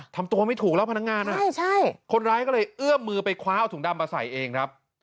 ทำตัวไม่ถูกแล้วพนักงานคนร้ายก็เลยเอื้อมมือไปคว้าเอาถุงดำมาใส่เองครับ